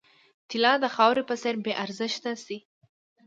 طلا د خاورې په څېر بې ارزښته شي.